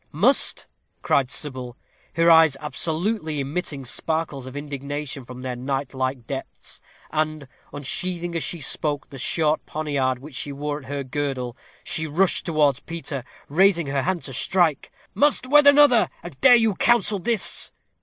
"MUST!" cried Sybil, her eyes absolutely emitting sparkles of indignation from their night like depths; and, unsheathing as she spoke the short poniard which she wore at her girdle, she rushed towards Peter, raising her hand to strike. "Must wed another! And dare you counsel this?"